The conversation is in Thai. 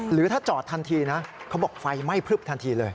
หรือถ้าจอดทันทีนะเขาบอกไฟไหม้พลึบทันทีเลย